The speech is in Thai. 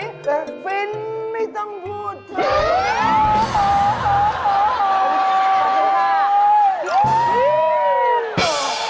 แต่ฟินไม่ต้องพูดเถอะ